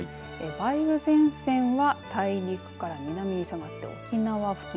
梅雨前線は大陸から南に下がって沖縄付近